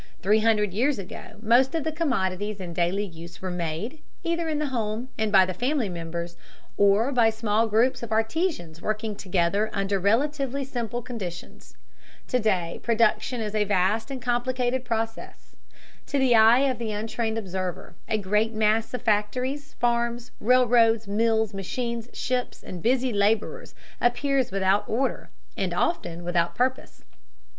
Three hundred years ago most of the commodities in daily use were made, either in the home and by the family members, or by small groups of artisans working together under relatively simple conditions. To day production is a vast and complicated process. To the eye of the untrained observer a great mass of factories, farms, railroads, mills, machines, ships, and busy laborers appears without order and, often, without purpose.